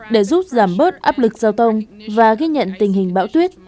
để giúp giảm bớt áp lực giao thông và ghi nhận tình hình bão tuyết